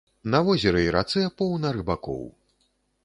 На возеры і рацэ поўна рыбакоў.